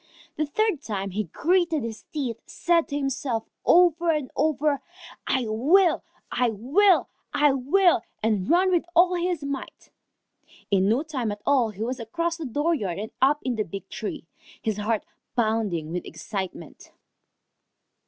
The third time he gritted his teeth, said to himself over and over, "I will! I will! I will!" and ran with all his might. In no time at all he was across the dooryard and up in the big tree, his heart pounding with excitement.